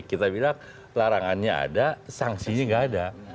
kita bilang larangannya ada sanksinya nggak ada